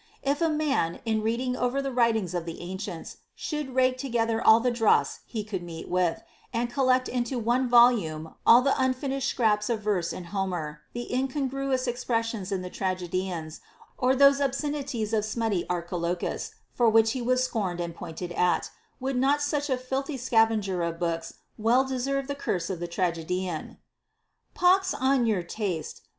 If a man, in reading over the writings of the ancients, should rake together all the dross he could meet with, and collect into one volume all the unfinished scraps of verse in Homer, the incongru ous expressions in the tragedians, or those obscenities of smutty Archilochus for which he was scorned and pointed at, would not such a filthy scavenger of books well deserve that curse of the tragedian, Pox on your taste